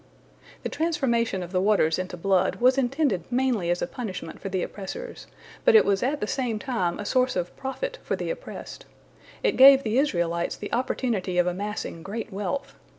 The transformation of the waters into blood was intended mainly as a punishment for the oppressors, but it was at the same time a source of profit for the oppressed. It gave the Israelites the opportunity of amassing great wealth.